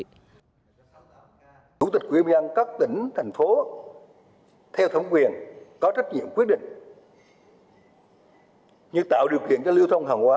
chủ tịch ubnd tp hà nội có quyết định như tạo điều kiện cho lưu thông hàng hóa